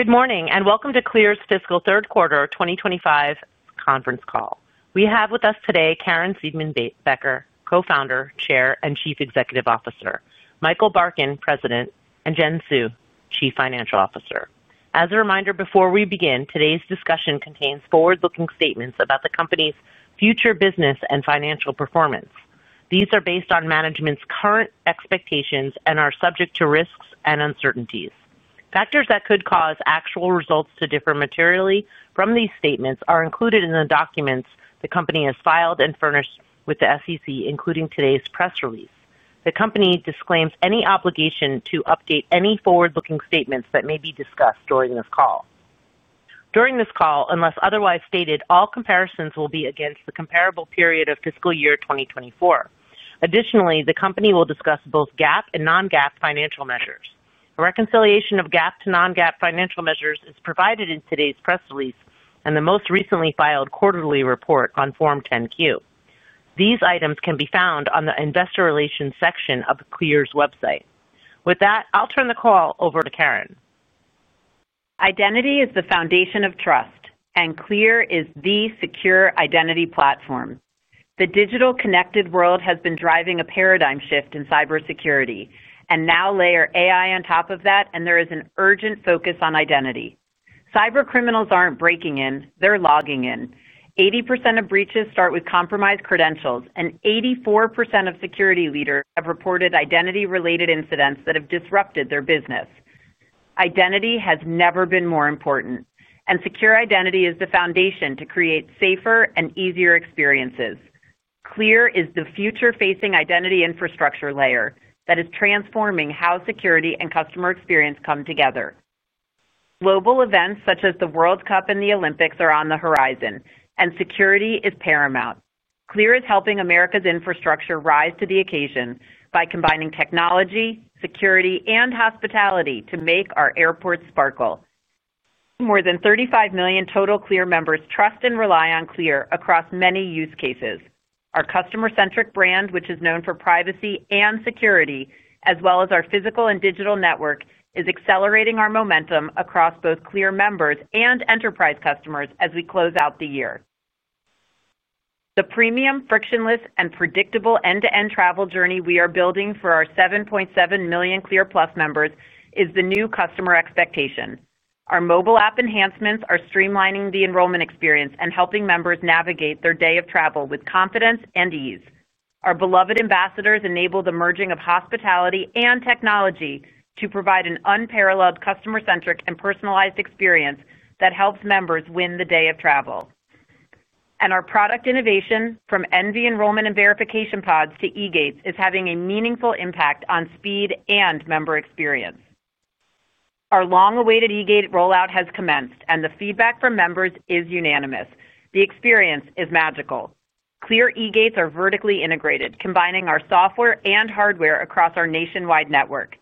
Good morning and welcome to Clear's Fiscal Third Quarter 2025 conference call. We have with us today Caryn Seidman-Becker, Co-Founder, Chair, and Chief Executive Officer; Michael Barkin, President; and Jen Hsu, Chief Financial Officer. As a reminder, before we begin, today's discussion contains forward-looking statements about the company's future business and financial performance. These are based on management's current expectations and are subject to risks and uncertainties. Factors that could cause actual results to differ materially from these statements are included in the documents the company has filed and furnished with the SEC, including today's press release. The company disclaims any obligation to update any forward-looking statements that may be discussed during this call. During this call, unless otherwise stated, all comparisons will be against the comparable period of Fiscal Year 2024. Additionally, the company will discuss both GAAP and non-GAAP financial measures. A reconciliation of GAAP to non-GAAP financial measures is provided in today's press release and the most recently filed quarterly report on Form 10-Q. These items can be found on the Investor Relations section of Clear's website. With that, I'll turn the call over to Caryn. Identity is the foundation of trust, and Clear is the secure identity platform. The digital connected world has been driving a paradigm shift in cybersecurity, and now layer AI on top of that, and there is an urgent focus on identity. Cybercriminals aren't breaking in; they're logging in. 80% of breaches start with compromised credentials, and 84% of security leaders have reported identity-related incidents that have disrupted their business. Identity has never been more important, and secure identity is the foundation to create safer and easier experiences. Clear is the future-facing identity infrastructure layer that is transforming how security and customer experience come together. Global events such as the World Cup and the Olympics are on the horizon, and security is paramount. Clear is helping America's infrastructure rise to the occasion by combining technology, security, and hospitality to make our airports sparkle. More than 35 million total Clear members trust and rely on Clear across many use cases. Our customer-centric brand, which is known for privacy and security, as well as our physical and digital network, is accelerating our momentum across both Clear members and enterprise customers as we close out the year. The premium, frictionless, and predictable end-to-end travel journey we are building for our 7.7 million Clear Plus members is the new customer expectation. Our mobile app enhancements are streamlining the enrollment experience and helping members navigate their day of travel with confidence and ease. Our beloved ambassadors enable the merging of hospitality and technology to provide an unparalleled customer-centric and personalized experience that helps members win the day of travel. Our product innovation, from ENVE enrollment and verification pods to eGates, is having a meaningful impact on speed and member experience. Our long-awaited eGate rollout has commenced, and the feedback from members is unanimous. The experience is magical. Clear eGates are vertically integrated, combining our software and hardware across our nationwide network.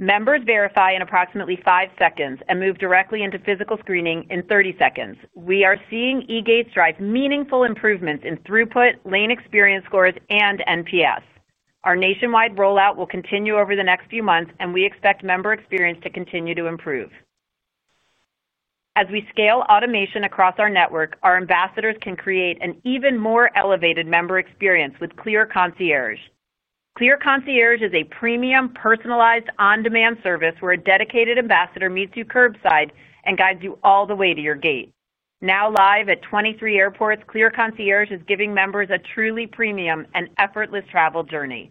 Members verify in approximately five seconds and move directly into physical screening in 30 seconds. We are seeing eGates drive meaningful improvements in throughput, lane experience scores, and NPS. Our nationwide rollout will continue over the next few months, and we expect member experience to continue to improve. As we scale automation across our network, our ambassadors can create an even more elevated member experience with Clear Concierge. Clear Concierge is a premium, personalized, on-demand service where a dedicated ambassador meets you curbside and guides you all the way to your gate. Now live at 23 airports, Clear Concierge is giving members a truly premium and effortless travel journey.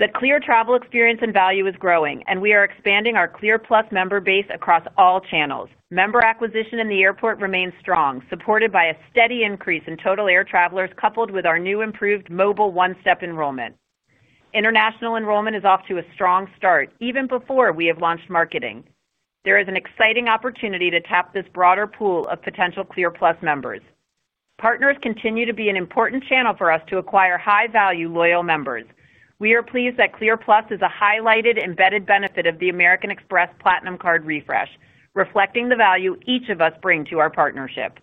The Clear travel experience and value is growing, and we are expanding our Clear Plus member base across all channels. Member acquisition in the airport remains strong, supported by a steady increase in total air travelers coupled with our new improved mobile one-step enrollment. International enrollment is off to a strong start, even before we have launched marketing. There is an exciting opportunity to tap this broader pool of potential Clear Plus members. Partners continue to be an important channel for us to acquire high-value loyal members. We are pleased that Clear Plus is a highlighted embedded benefit of the American Express Platinum Card refresh, reflecting the value each of us bring to our partnership.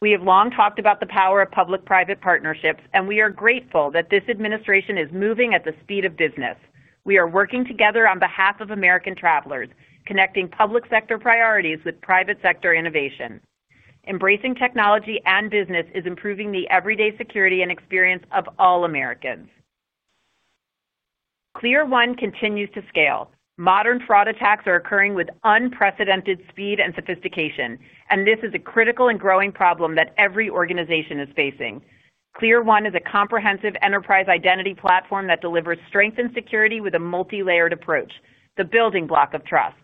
We have long talked about the power of public-private partnerships, and we are grateful that this administration is moving at the speed of business. We are working together on behalf of American travelers, connecting public sector priorities with private sector innovation. Embracing technology and business is improving the everyday security and experience of all Americans. Clear One continues to scale. Modern fraud attacks are occurring with unprecedented speed and sophistication, and this is a critical and growing problem that every organization is facing. Clear One is a comprehensive enterprise identity platform that delivers strength and security with a multi-layered approach, the building block of trust.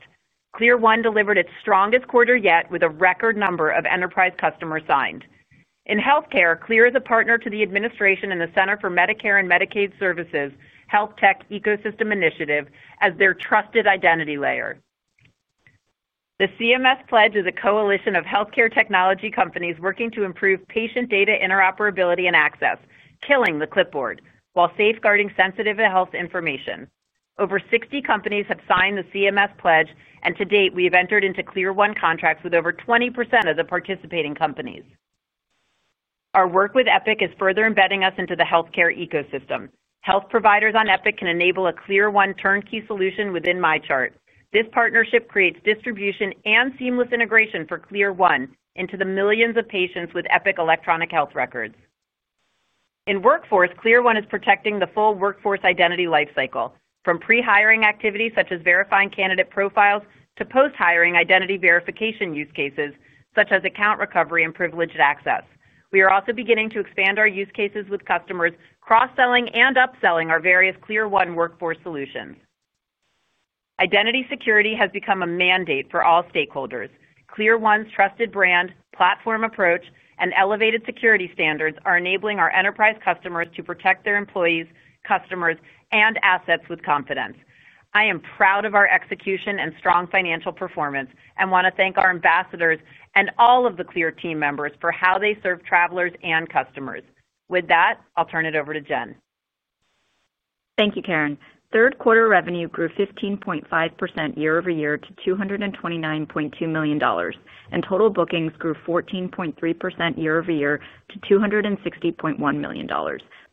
Clear One delivered its strongest quarter yet with a record number of enterprise customers signed. In healthcare, Clear is a partner to the administration and the Centers for Medicare & Medicaid Services Health Tech Ecosystem Initiative as their trusted identity layer. The CMS pledge is a coalition of healthcare technology companies working to improve patient data interoperability and access, killing the clipboard while safeguarding sensitive health information. Over 60 companies have signed the CMS pledge, and to date, we have entered into Clear One contracts with over 20% of the participating companies. Our work with Epic is further embedding us into the healthcare ecosystem. Health providers on Epic can enable a Clear One turnkey solution within MyChart. This partnership creates distribution and seamless integration for Clear One into the millions of patients with Epic electronic health records. In workforce, Clear One is protecting the full workforce identity lifecycle, from pre-hiring activities such as verifying candidate profiles to post-hiring identity verification use cases such as account recovery and privileged access. We are also beginning to expand our use cases with customers cross-selling and upselling our various Clear One workforce solutions. Identity security has become a mandate for all stakeholders. Clear One's trusted brand, platform approach, and elevated security standards are enabling our enterprise customers to protect their employees, customers, and assets with confidence. I am proud of our execution and strong financial performance and want to thank our ambassadors and all of the Clear team members for how they serve travelers and customers. With that, I'll turn it over to Jen. Thank you, Caryn. Third quarter revenue grew 15.5% year-over-year to $229.2 million, and total bookings grew 14.3% year-over year to $260.1 million,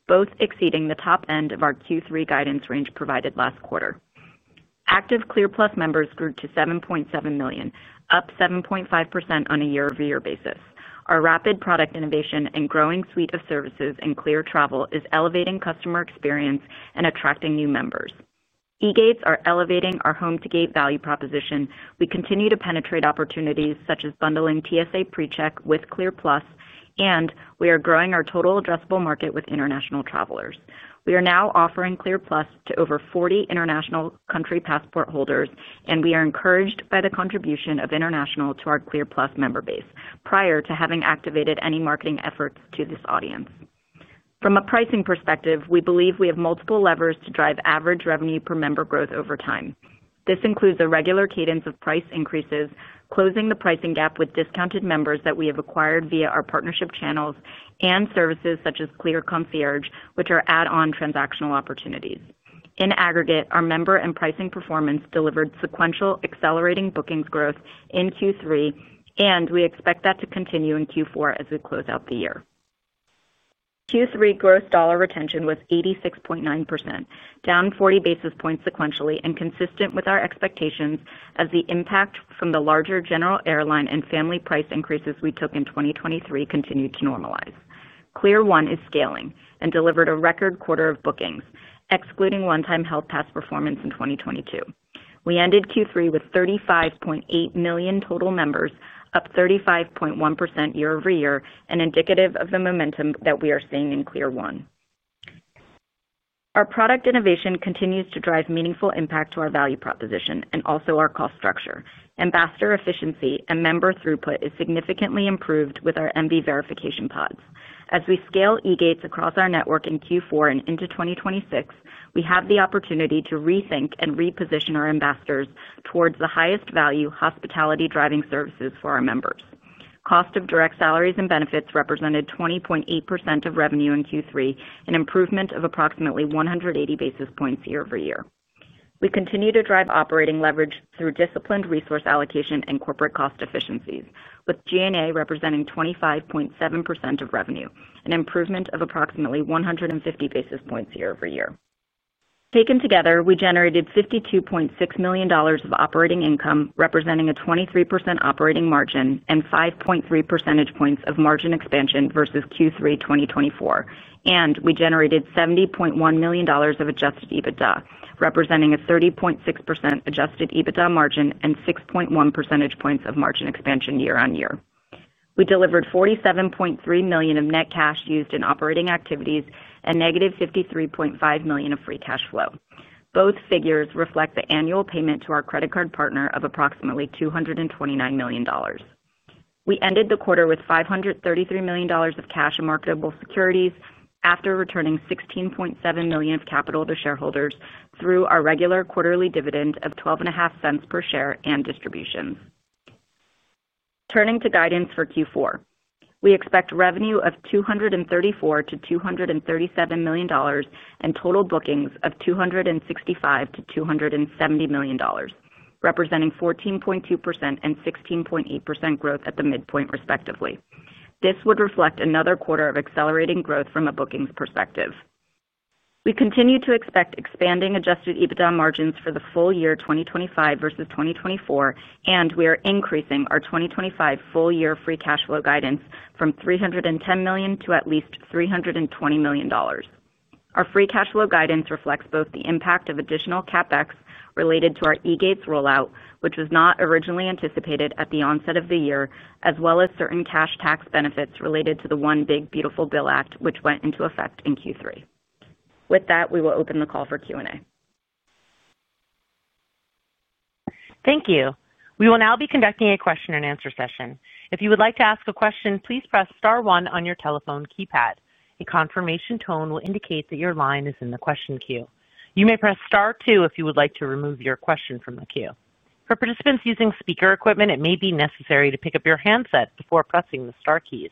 both exceeding the top end of our Q3 guidance range provided last quarter. Active Clear Plus members grew to 7.7 million, up 7.5% on a year-over-year basis. Our rapid product innovation and growing suite of services in Clear Travel is elevating customer experience and attracting new members. eGates are elevating our home-to-gate value proposition. We continue to penetrate opportunities such as bundling TSA PreCheck with Clear Plus, and we are growing our total addressable market with international travelers. We are now offering Clear Plus to over 40 international country passport holders, and we are encouraged by the contribution of international to our Clear Plus member base prior to having activated any marketing efforts to this audience. From a pricing perspective, we believe we have multiple levers to drive average revenue per member growth over time. This includes a regular cadence of price increases, closing the pricing gap with discounted members that we have acquired via our partnership channels and services such as Clear Concierge, which are add-on transactional opportunities. In aggregate, our member and pricing performance delivered sequential accelerating bookings growth in Q3, and we expect that to continue in Q4 as we close out the year. Q3 gross dollar retention was 86.9%, down 40 basis points sequentially and consistent with our expectations as the impact from the larger general airline and family price increases we took in 2023 continued to normalize. Clear One is scaling and delivered a record quarter of bookings, excluding one-time Health pass performance in 2022. We ended Q3 with 35.8 million total members, up 35.1% year-over-year, an indicative of the momentum that we are seeing in Clear One. Our product innovation continues to drive meaningful impact to our value proposition and also our cost structure. Ambassador efficiency and member throughput is significantly improved with our ENVE verification pods. As we scale eGates across our network in Q4 and into 2026, we have the opportunity to rethink and reposition our ambassadors towards the highest value hospitality-driving services for our members. Cost of direct salaries and benefits represented 20.8% of revenue in Q3, an improvement of approximately 180 basis points year over year. We continue to drive operating leverage through disciplined resource allocation and corporate cost efficiencies, with G&A representing 25.7% of revenue, an improvement of approximately 150 basis points year-over-year. Taken together, we generated $52.6 million of operating income, representing a 23% operating margin and 5.3 percentage points of margin expansion versus Q3 2024, and we generated $70.1 million of Adjusted EBITDA, representing a 30.6% Adjusted EBITDA margin and 6.1 percentage points of margin expansion year-on-year. We delivered $47.3 million of net cash used in operating activities and negative $53.5 million of free cash flow. Both figures reflect the annual payment to our credit card partner of approximately $229 million. We ended the quarter with $533 million of cash and marketable securities after returning $16.7 million of capital to shareholders through our regular quarterly dividend of $0.125 per share and distributions. Turning to guidance for Q4, we expect revenue of $234-$237 million and total bookings of $265-$270 million, representing 14.2% and 16.8% growth at the midpoint, respectively. This would reflect another quarter of accelerating growth from a bookings perspective. We continue to expect expanding Adjusted EBITDA margins for the full year 2025 versus 2024, and we are increasing our 2025 full-year free cash flow guidance from $310 million to at least $320 million. Our free cash flow guidance reflects both the impact of additional CapEx related to our eGates rollout, which was not originally anticipated at the onset of the year, as well as certain cash tax benefits related to the One Big Beautiful Bill Act, which went into effect in Q3. With that, we will open the call for Q&A. Thank you. We will now be conducting a question-and-answer session. If you would like to ask a question, please press star one on your telephone keypad. A confirmation tone will indicate that your line is in the question queue. You may press star two if you would like to remove your question from the queue. For participants using speaker equipment, it may be necessary to pick up your handset before pressing the Star keys.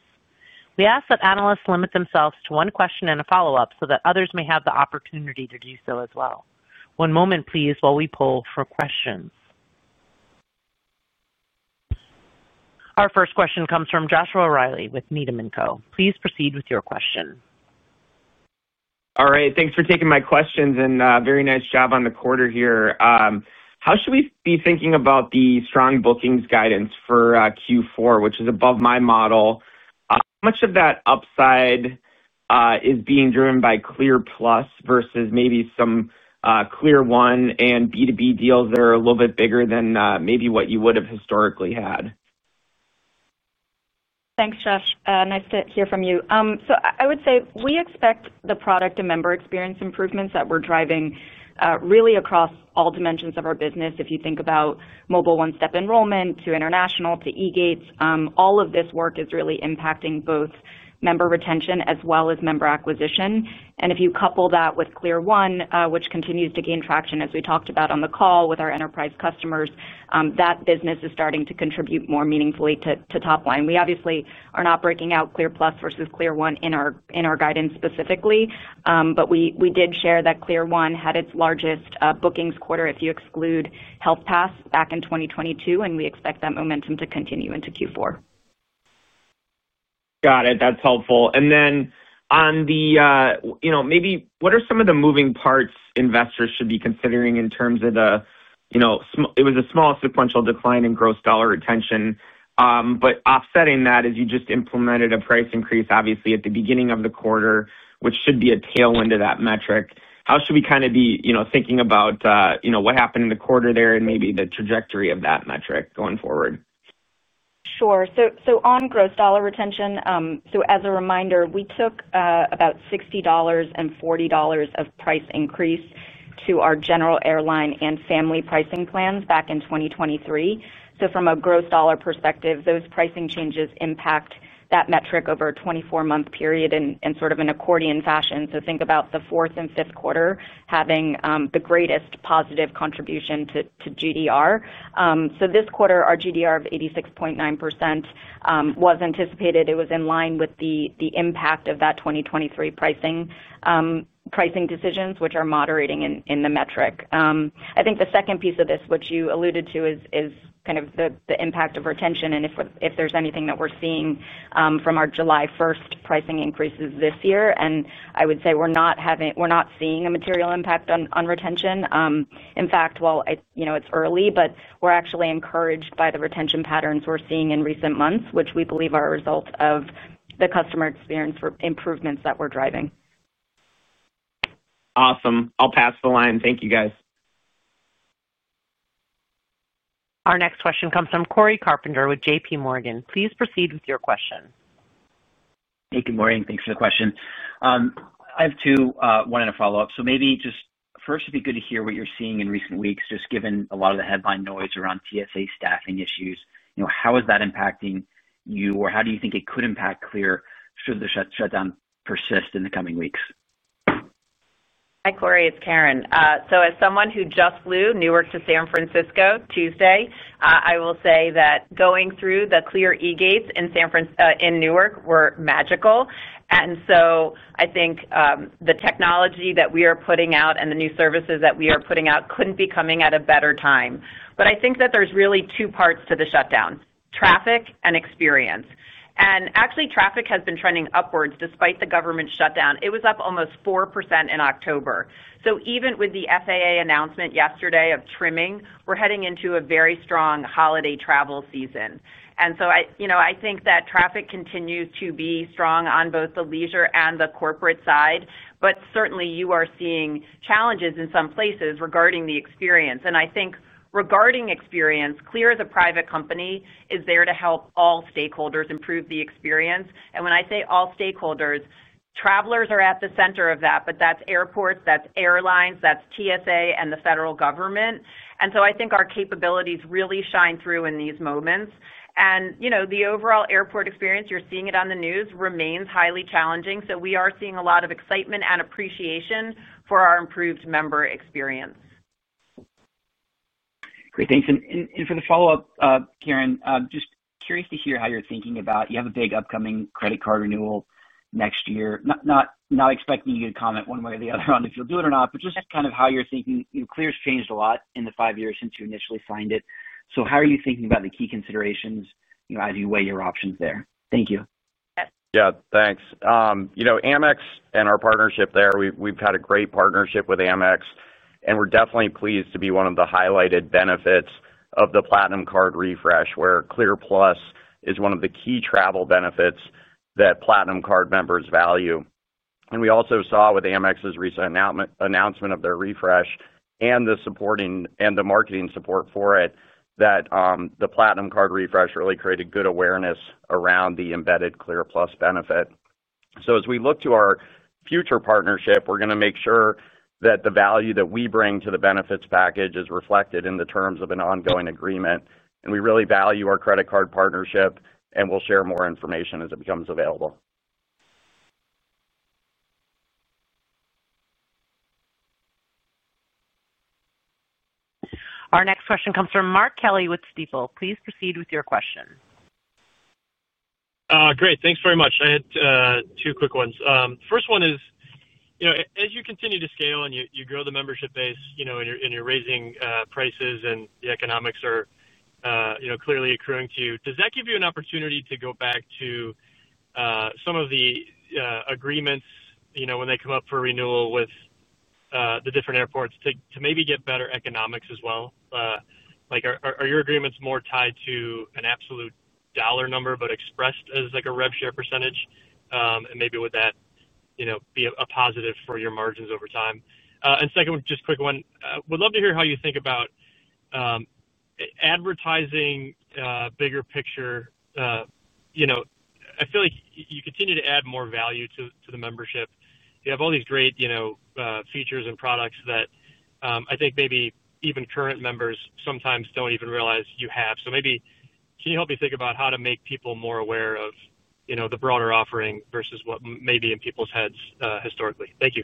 We ask that analysts limit themselves to one question and a follow-up so that others may have the opportunity to do so as well. One moment, please, while we pull for questions. Our first question comes from Joshua Reilly with Needham & Company. Please proceed with your question. All right. Thanks for taking my questions and very nice job on the quarter here. How should we be thinking about the strong bookings guidance for Q4, which is above my model? How much of that upside is being driven by Clear Plus versus maybe some Clear One and B2B deals that are a little bit bigger than maybe what you would have historically had? Thanks, Josh. Nice to hear from you. I would say we expect the product and member experience improvements that we're driving really across all dimensions of our business. If you think about mobile one-step enrollment to international to eGates, all of this work is really impacting both member retention as well as member acquisition. If you couple that with Clear One, which continues to gain traction, as we talked about on the call with our enterprise customers, that business is starting to contribute more meaningfully to top line. We obviously are not breaking out Clear Plus versus Clear One in our guidance specifically, but we did share that Clear One had its largest bookings quarter if you exclude Health Pass back in 2022, and we expect that momentum to continue into Q4. Got it. That's helpful. Maybe what are some of the moving parts investors should be considering in terms of the, it was a small sequential decline in gross dollar retention, but offsetting that as you just implemented a price increase, obviously, at the beginning of the quarter, which should be a tailwind to that metric. How should we kind of be thinking about what happened in the quarter there and maybe the trajectory of that metric going forward? Sure. On gross dollar retention, as a reminder, we took about $60 and $40 of price increase to our general airline and family pricing plans back in 2023. From a gross dollar perspective, those pricing changes impact that metric over a 24-month period in sort of an accordion fashion. Think about the fourth and fifth quarter having the greatest positive contribution to GDR. This quarter, our GDR of 86.9% was anticipated. It was in line with the impact of that 2023 pricing decisions, which are moderating in the metric. I think the second piece of this, which you alluded to, is kind of the impact of retention and if there is anything that we are seeing from our July 1st pricing increases this year. I would say we are not seeing a material impact on retention. In fact, while it's early, we're actually encouraged by the retention patterns we're seeing in recent months, which we believe are a result of the customer experience improvements that we're driving. Awesome. I'll pass the line. Thank you, guys. Our next question comes from Cory Carpenter with J.P. Morgan. Please proceed with your question. Thank you, Morgan. Thanks for the question. I have two, wanted to follow up. Maybe just first, it'd be good to hear what you're seeing in recent weeks, just given a lot of the headline noise around TSA staffing issues. How is that impacting you, or how do you think it could impact Clear should the shutdown persist in the coming weeks? Hi, Cory. It's Caryn. As someone who just flew Newark to San Francisco Tuesday, I will say that going through the Clear eGates in Newark were magical. I think the technology that we are putting out and the new services that we are putting out could not be coming at a better time. I think that there are really two parts to the shutdown: traffic and experience. Actually, traffic has been trending upwards despite the government shutdown. It was up almost 4% in October. Even with the FAA announcement yesterday of trimming, we are heading into a very strong holiday travel season. I think that traffic continues to be strong on both the leisure and the corporate side, but certainly you are seeing challenges in some places regarding the experience. I think regarding experience, Clear, as a private company, is there to help all stakeholders improve the experience. When I say all stakeholders, travelers are at the center of that, but that is airports, that is airlines, that is TSA, and the federal government. I think our capabilities really shine through in these moments. The overall airport experience, you are seeing it on the news, remains highly challenging. We are seeing a lot of excitement and appreciation for our improved member experience. Great. Thanks. For the follow-up, Caryn, just curious to hear how you're thinking about you have a big upcoming credit card renewal next year. Not expecting you to comment one way or the other on if you'll do it or not, but just kind of how you're thinking. Clear's changed a lot in the five years since you initially signed it. How are you thinking about the key considerations as you weigh your options there? Thank you. Yeah. Thanks. Amex and our partnership there, we've had a great partnership with Amex, and we're definitely pleased to be one of the highlighted benefits of the Platinum Card refresh, where Clear Plus is one of the key travel benefits that Platinum Card members value. We also saw with Amex's recent announcement of their refresh and the marketing support for it, that the Platinum Card refresh really created good awareness around the embedded Clear Plus benefit. As we look to our future partnership, we're going to make sure that the value that we bring to the benefits package is reflected in the terms of an ongoing agreement. We really value our credit card partnership, and we'll share more information as it becomes available. Our next question comes from Mark Kelly with Stifel. Please proceed with your question. Great. Thanks very much. I had two quick ones. The first one is, as you continue to scale and you grow the membership base and you're raising prices and the economics are clearly accruing to you, does that give you an opportunity to go back to some of the agreements when they come up for renewal with the different airports to maybe get better economics as well? Are your agreements more tied to an absolute dollar number, but expressed as a rev share percentage? And maybe would that be a positive for your margins over time? Second one, just a quick one. Would love to hear how you think about advertising bigger picture. I feel like you continue to add more value to the membership. You have all these great features and products that I think maybe even current members sometimes don't even realize you have. Maybe can you help me think about how to make people more aware of the broader offering versus what may be in people's heads historically? Thank you.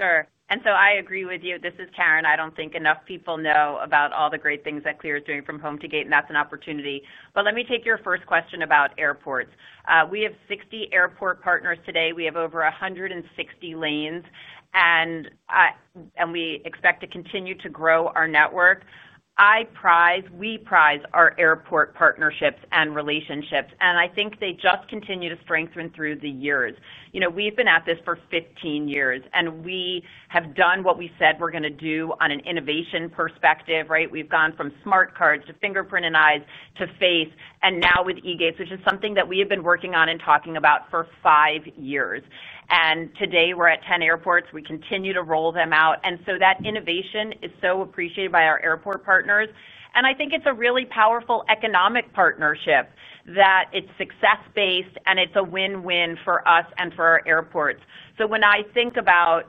Sure. I agree with you. This is Caryn. I do not think enough people know about all the great things that Clear is doing from home to gate, and that is an opportunity. Let me take your first question about airports. We have 60 airport partners today. We have over 160 lanes. We expect to continue to grow our network. We prize our airport partnerships and relationships. I think they just continue to strengthen through the years. We have been at this for 15 years, and we have done what we said we are going to do on an innovation perspective, right? We have gone from smart cards to fingerprint and eyes to face, and now with eGates, which is something that we have been working on and talking about for five years. Today, we are at 10 airports. We continue to roll them out. That innovation is so appreciated by our airport partners. I think it is a really powerful economic partnership that is success-based, and it is a win-win for us and for our airports. When I think about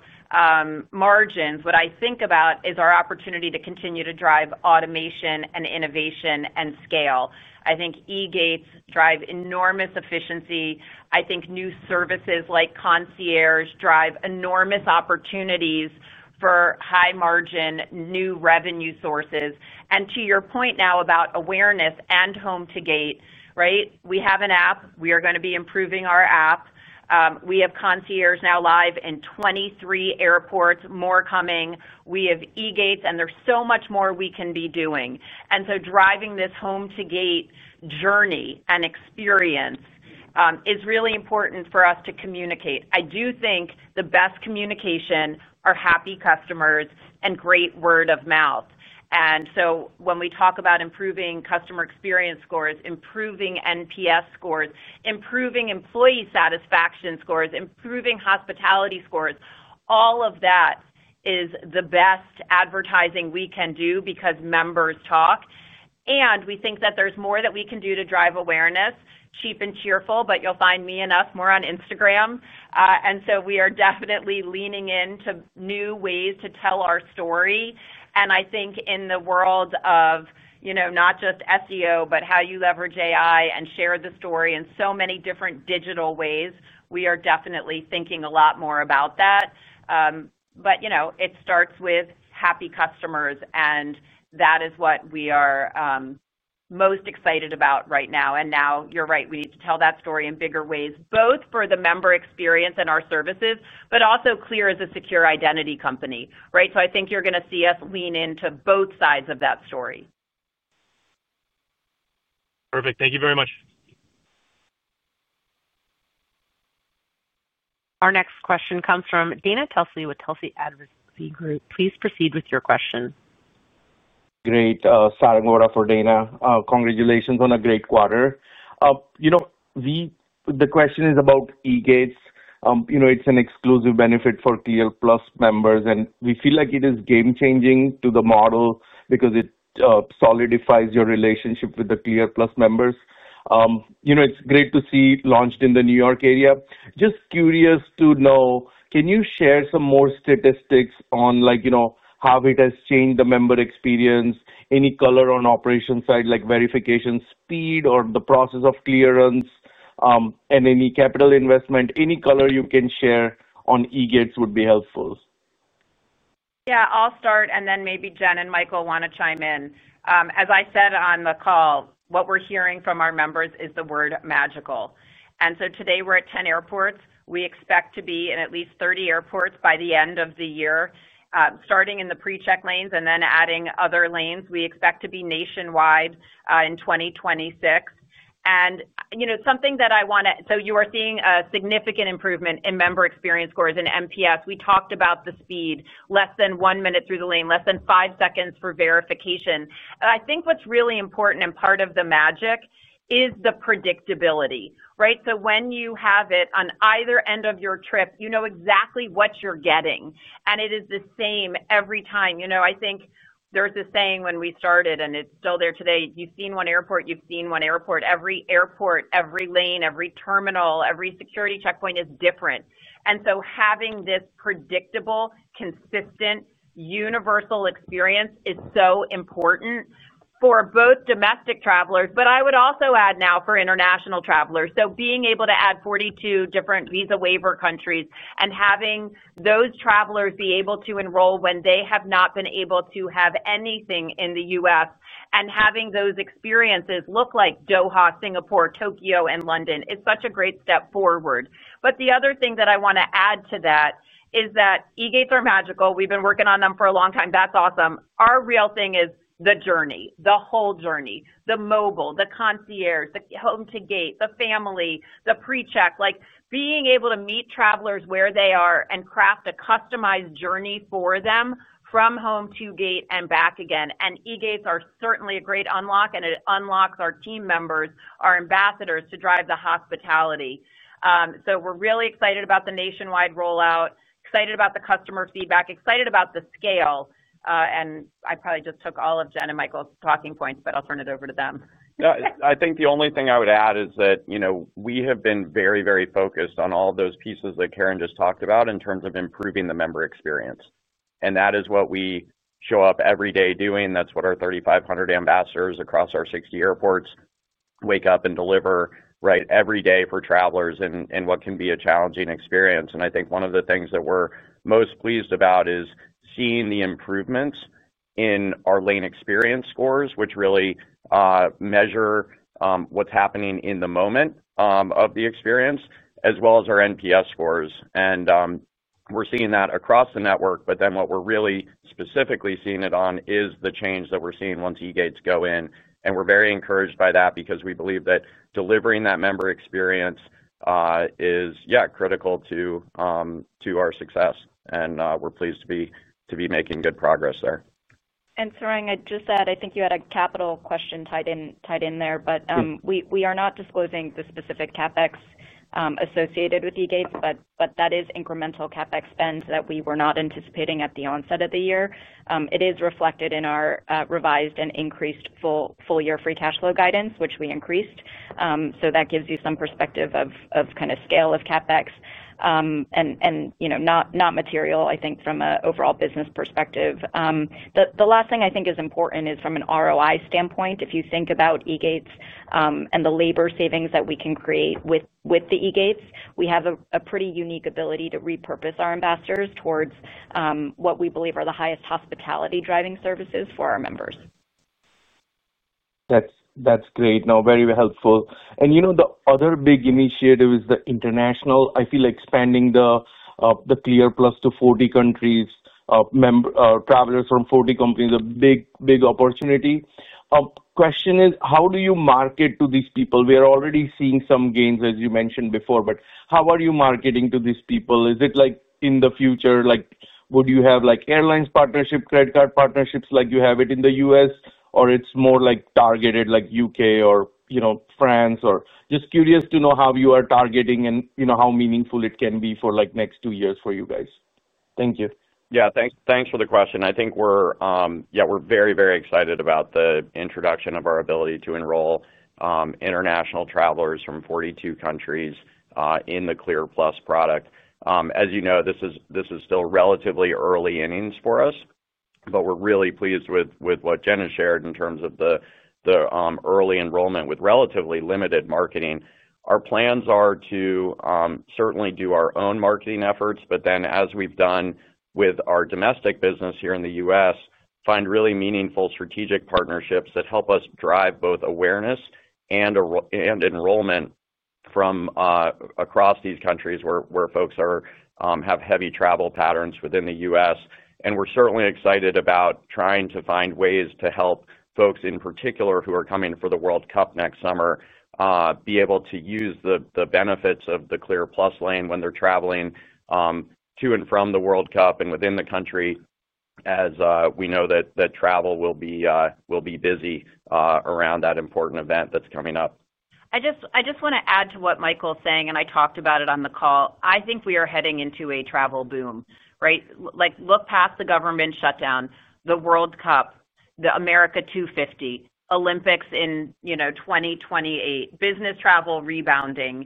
margins, what I think about is our opportunity to continue to drive automation and innovation and scale. I think eGates drive enormous efficiency. I think new services like concierges drive enormous opportunities for high-margin, new revenue sources. To your point now about awareness and home to gate, right? We have an app. We are going to be improving our app. We have concierges now live in 23 airports, more coming. We have eGates, and there is so much more we can be doing. Driving this home-to-gate journey and experience is really important for us to communicate. I do think the best communication is happy customers and great word of mouth. When we talk about improving customer experience scores, improving NPS scores, improving employee satisfaction scores, improving hospitality scores, all of that is the best advertising we can do because members talk. We think that there is more that we can do to drive awareness. Cheap and cheerful, but you will find me and us more on Instagram. We are definitely leaning into new ways to tell our story. I think in the world of not just SEO, but how you leverage AI and share the story in so many different digital ways, we are definitely thinking a lot more about that. It starts with happy customers, and that is what we are most excited about right now. You are right. We need to tell that story in bigger ways, both for the member experience and our services, but also Clear as a secure identity company, right? I think you're going to see us lean into both sides of that story. Perfect. Thank you very much. Our next question comes from Dana Telsey with Telsey Advisory Group. Please proceed with your question. Great. Sarang Vora for Dana. Congratulations on a great quarter. The question is about eGates. It is an exclusive benefit for Clear Plus members, and we feel like it is game-changing to the model because it solidifies your relationship with the Clear Plus members. It is great to see launched in the New York area. Just curious to know, can you share some more statistics on how it has changed the member experience, any color on the operation side, like verification speed or the process of clearance. Any capital investment? Any color you can share on eGates would be helpful. Yeah. I'll start, and then maybe Jen and Michael want to chime in. As I said on the call, what we're hearing from our members is the word magical. Today, we're at 10 airports. We expect to be in at least 30 airports by the end of the year, starting in the pre-check lanes and then adding other lanes. We expect to be nationwide in 2026. Something that I want to—you are seeing a significant improvement in member experience scores and NPS. We talked about the speed: less than one minute through the lane, less than five seconds for verification. I think what's really important and part of the magic is the predictability, right? When you have it on either end of your trip, you know exactly what you're getting. It is the same every time. I think there's a saying when we started, and it's still there today: you've seen one airport, you've seen one airport. Every airport, every lane, every terminal, every security checkpoint is different. Having this predictable, consistent, universal experience is so important for both domestic travelers, but I would also add now for international travelers. Being able to add 42 different visa waiver countries and having those travelers be able to enroll when they have not been able to have anything in the U.S. and having those experiences look like Doha, Singapore, Tokyo, and London is such a great step forward. The other thing that I want to add to that is that eGates are magical. We've been working on them for a long time. That's awesome. Our real thing is the journey, the whole journey, the mobile, the concierge, the home-to-gate, the family, the pre-check. Being able to meet travelers where they are and craft a customized journey for them from home to gate and back again. eGates are certainly a great unlock, and it unlocks our team members, our ambassadors to drive the hospitality. We are really excited about the nationwide rollout, excited about the customer feedback, excited about the scale. I probably just took all of Jen and Michael's talking points, but I'll turn it over to them. Yeah. I think the only thing I would add is that we have been very, very focused on all of those pieces that Caryn just talked about in terms of improving the member experience. That is what we show up every day doing. That's what our 3,500 ambassadors across our 60 airports wake up and deliver, right, every day for travelers in what can be a challenging experience. I think one of the things that we're most pleased about is seeing the improvements in our lane experience scores, which really measure what's happening in the moment of the experience, as well as our NPS scores. We're seeing that across the network, but then what we're really specifically seeing it on is the change that we're seeing once eGates go in. We are very encouraged by that because we believe that delivering that member experience is, yeah, critical to our success. We are pleased to be making good progress there. Sarang, I just said I think you had a capital question tied in there, but we are not disclosing the specific CapEx associated with eGates, but that is incremental CapEx spend that we were not anticipating at the onset of the year. It is reflected in our revised and increased full-year free cash flow guidance, which we increased. That gives you some perspective of kind of scale of CapEx. Not material, I think, from an overall business perspective. The last thing I think is important is from an ROI standpoint. If you think about eGates and the labor savings that we can create with the eGates, we have a pretty unique ability to repurpose our ambassadors towards what we believe are the highest hospitality-driving services for our members. That's great. No, very helpful. The other big initiative is the international. I feel like expanding the Clear Plus to 40 countries. Travelers from 40 countries, a big, big opportunity. Question is, how do you market to these people? We are already seeing some gains, as you mentioned before, but how are you marketing to these people? Is it like in the future, would you have airline partnerships, credit card partnerships like you have in the U.S., or it's more targeted like U.K. or France? Just curious to know how you are targeting and how meaningful it can be for next two years for you guys. Thank you. Yeah. Thanks for the question. I think. Yeah, we're very, very excited about the introduction of our ability to enroll international travelers from 42 countries in the Clear Plus product. As you know, this is still relatively early innings for us, but we're really pleased with what Jen has shared in terms of the early enrollment with relatively limited marketing. Our plans are to certainly do our own marketing efforts, but then, as we've done with our domestic business here in the U.S., find really meaningful strategic partnerships that help us drive both awareness and enrollment across these countries where folks have heavy travel patterns within the U.S. We're certainly excited about trying to find ways to help folks in particular who are coming for the World Cup next summer be able to use the benefits of the Clear Plus lane when they're traveling. To and from the World Cup and within the country, as we know that travel will be busy around that important event that's coming up. I just want to add to what Michael's saying, and I talked about it on the call. I think we are heading into a travel boom, right? Look past the government shutdown, the World Cup, the America 250, Olympics in 2028, business travel rebounding.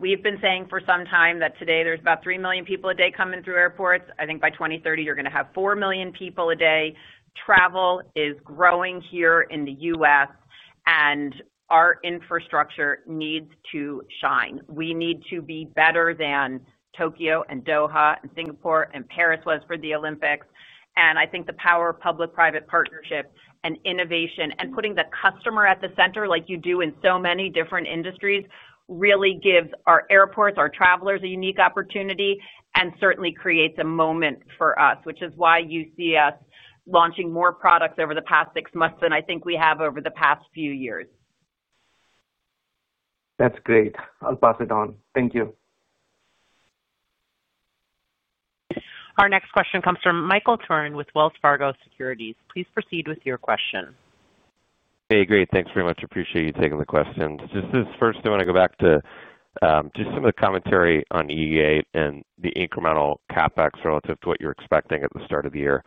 We've been saying for some time that today there's about 3 million people a day coming through airports. I think by 2030, you're going to have 4 million people a day. Travel is growing here in the U.S., and our infrastructure needs to shine. We need to be better than Tokyo and Doha and Singapore and Paris was for the Olympics. I think the power of public-private partnership and innovation and putting the customer at the center, like you do in so many different industries, really gives our airports, our travelers a unique opportunity and certainly creates a moment for us, which is why you see us launching more products over the past six months than I think we have over the past few years. That's great. I'll pass it on. Thank you. Our next question comes from Michael Turrin with Wells Fargo Securities. Please proceed with your question. Hey, great. Thanks very much. Appreciate you taking the question. Just first, I want to go back to just some of the commentary on eGate and the incremental CapEx relative to what you're expecting at the start of the year.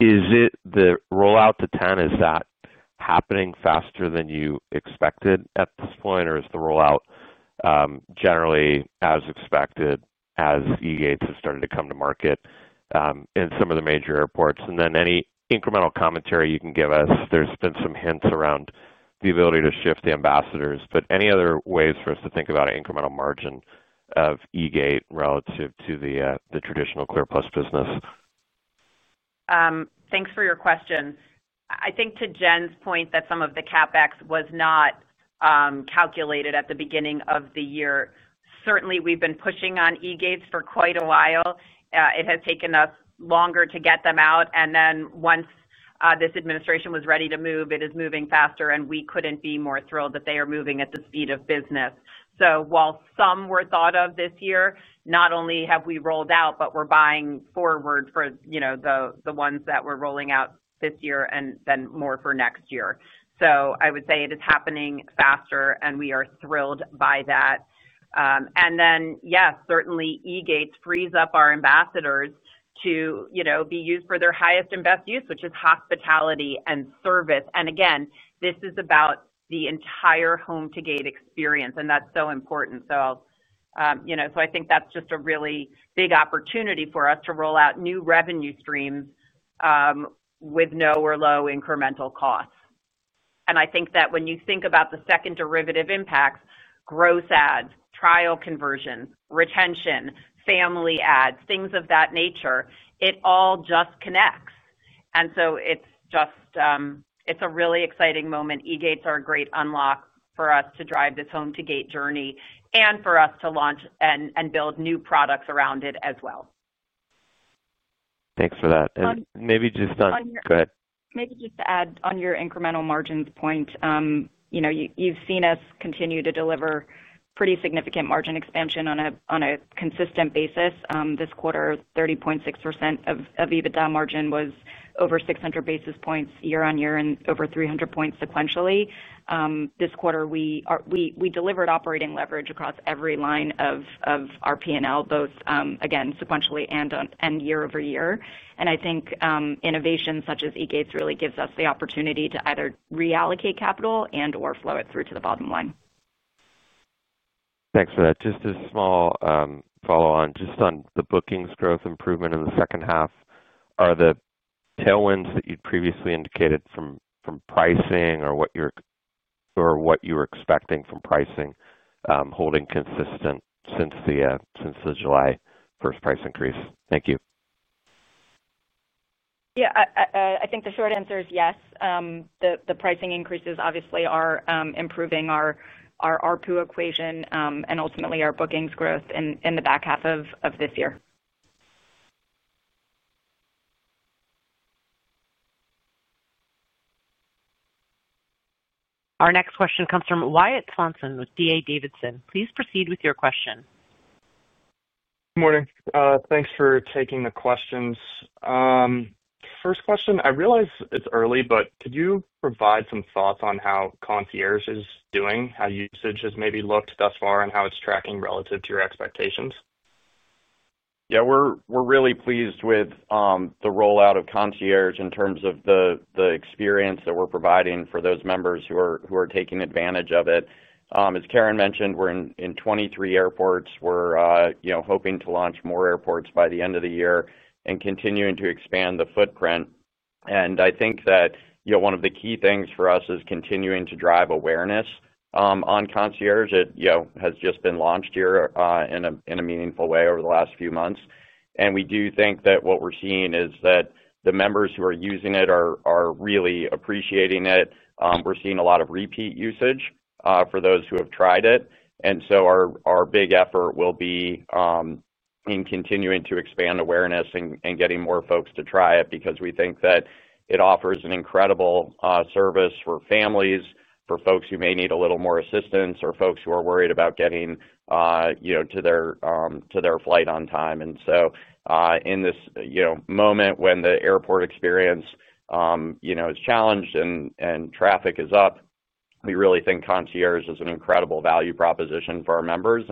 Is it the rollout to 10? Is that happening faster than you expected at this point, or is the rollout generally as expected as eGates has started to come to market in some of the major airports? Any incremental commentary you can give us? There's been some hints around the ability to shift the ambassadors, but any other ways for us to think about an incremental margin of eGate relative to the traditional Clear Plus business? Thanks for your question. I think to Jen's point that some of the CapEx was not calculated at the beginning of the year. Certainly, we've been pushing on eGates for quite a while. It has taken us longer to get them out. Once this administration was ready to move, it is moving faster, and we couldn't be more thrilled that they are moving at the speed of business. While some were thought of this year, not only have we rolled out, but we're buying forward for the ones that we're rolling out this year and then more for next year. I would say it is happening faster, and we are thrilled by that. Yes, certainly, eGates frees up our ambassadors to be used for their highest and best use, which is hospitality and service. This is about the entire home-to-gate experience, and that is so important. I think that is just a really big opportunity for us to roll out new revenue streams with no or low incremental costs. I think that when you think about the second derivative impacts, gross ads, trial conversion, retention, family ads, things of that nature, it all just connects. It is a really exciting moment. eGates are a great unlock for us to drive this home-to-gate journey and for us to launch and build new products around it as well. Thanks for that. Maybe just on—go ahead. Maybe just to add on your incremental margins point. You've seen us continue to deliver pretty significant margin expansion on a consistent basis. This quarter, 30.6% of EBITDA margin was over 600 basis points year-on-year and over 300 basis points sequentially. This quarter, we delivered operating leverage across every line of our P&L, both, again, sequentially and year-over-year. I think innovation such as eGates really gives us the opportunity to either reallocate capital and/or flow it through to the bottom line. Thanks for that. Just a small follow-on just on the bookings growth improvement in the second half. Are the tailwinds that you'd previously indicated from pricing or what you're expecting from pricing holding consistent since the July 1st price increase? Thank you. Yeah. I think the short answer is yes. The pricing increases obviously are improving our pool equation and ultimately our bookings growth in the back half of this year. Our next question comes from Wyatt Swanson with D.A. Davidson. Please proceed with your question. Good morning. Thanks for taking the questions. First question, I realize it's early, but could you provide some thoughts on how Concierge is doing, how usage has maybe looked thus far, and how it's tracking relative to your expectations? Yeah. We're really pleased with the rollout of Concierge in terms of the experience that we're providing for those members who are taking advantage of it. As Caryn mentioned, we're in 23 airports. We're hoping to launch more airports by the end of the year and continuing to expand the footprint. I think that one of the key things for us is continuing to drive awareness on Concierge. It has just been launched here in a meaningful way over the last few months. We do think that what we're seeing is that the members who are using it are really appreciating it. We're seeing a lot of repeat usage for those who have tried it. Our big effort will be. In continuing to expand awareness and getting more folks to try it because we think that it offers an incredible service for families, for folks who may need a little more assistance, or folks who are worried about getting to their flight on time. In this moment when the airport experience is challenged and traffic is up, we really think Concierge is an incredible value proposition for our members.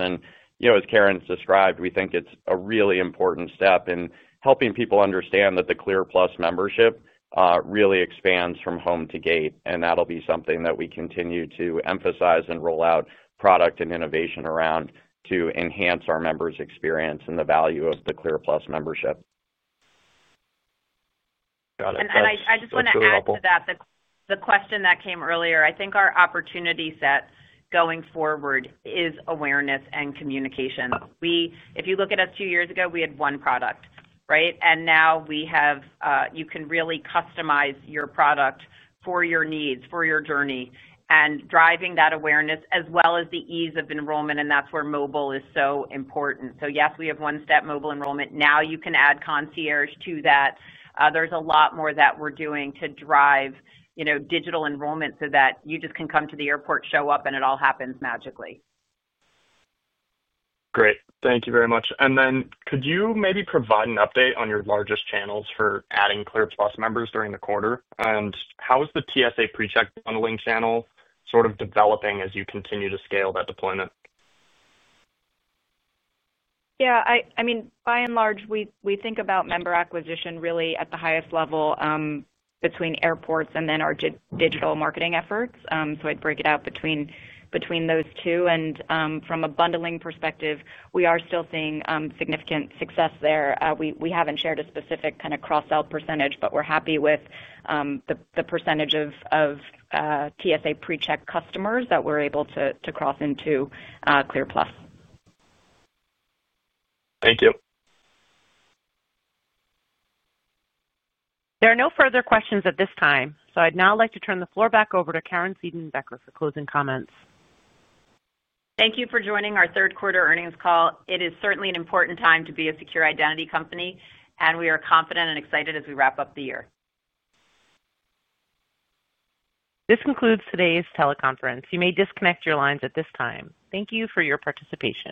As Caryn described, we think it is a really important step in helping people understand that the Clear Plus membership really expands from home to gate. That will be something that we continue to emphasize and roll out product and innovation around to enhance our members' experience and the value of the Clear Plus membership. Got it. Thank you for the help. I just want to add to that the question that came earlier. I think our opportunity set going forward is awareness and communication. If you look at us two years ago, we had one product, right? Now you can really customize your product for your needs, for your journey, and driving that awareness as well as the ease of enrollment. That is where mobile is so important. Yes, we have one-step mobile enrollment. Now you can add Concierge to that. There is a lot more that we are doing to drive digital enrollment so that you just can come to the airport, show up, and it all happens magically. Great. Thank you very much. Could you maybe provide an update on your largest channels for adding Clear Plus members during the quarter? How is the TSA PreCheck bundling channel sort of developing as you continue to scale that deployment? Yeah. I mean, by and large, we think about member acquisition really at the highest level between airports and then our digital marketing efforts. I'd break it out between those two. From a bundling perspective, we are still seeing significant success there. We haven't shared a specific kind of cross-sell percentage, but we're happy with the percentage of TSA PreCheck customers that we're able to cross into Clear Plus. Thank you. There are no further questions at this time. I'd now like to turn the floor back over to Caryn Seidman-Becker for closing comments. Thank you for joining our third-quarter earnings call. It is certainly an important time to be a secure identity company, and we are confident and excited as we wrap up the year. This concludes today's teleconference. You may disconnect your lines at this time. Thank you for your participation.